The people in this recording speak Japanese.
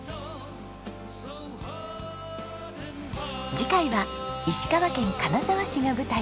次回は石川県金沢市が舞台。